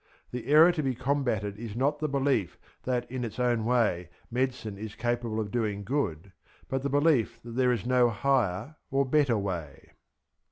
The error to be combated is not the belief that, in its own way, medicine is capable of doing good, but the belief that there is no higher or better way.